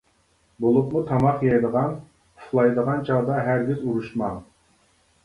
بولۇپمۇ تاماق يەيدىغان، ئۇخلايدىغان چاغدا ھەرگىز ئۇرۇشماڭ.